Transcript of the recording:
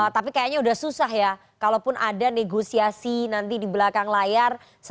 tapi kayaknya udah susah ya kalaupun ada negosiasi nanti di belakang layar setelah prabowo gibran